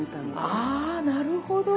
あなるほど！